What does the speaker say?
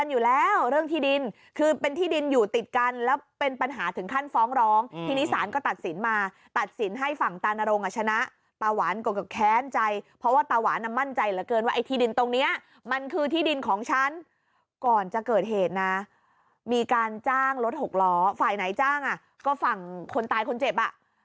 อยู่แล้วเรื่องที่ดินคือเป็นที่ดินอยู่ติดกันแล้วเป็นปัญหาถึงขั้นฟ้องร้องทีนี้ศาลก็ตัดสินมาตัดสินให้ฝั่งตานรงอ่ะชนะตาหวานก็แค้นใจเพราะว่าตาหวานมั่นใจเหลือเกินว่าไอ้ที่ดินตรงเนี้ยมันคือที่ดินของฉันก่อนจะเกิดเหตุนะมีการจ้างรถหกล้อฝ่ายไหนจ้างอ่ะก็ฝั่งคนตายคนเจ็บอ่ะ